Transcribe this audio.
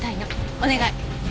お願い。